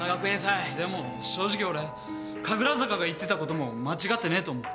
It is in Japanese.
でも正直俺神楽坂が言ってたことも間違ってねえと思う。